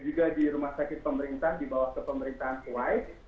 juga di rumah sakit pemerintahan di bawah kepemerintahan kuwait